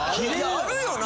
あるよな。